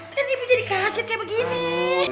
kan ibu jadi kaget kayak begini